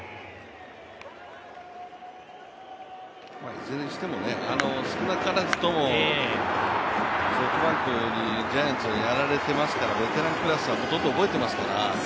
いずれにしても、少なからずともソフトバンクにジャイアンツはやられていますから、ベテレンクラスはほとんど覚えていますから。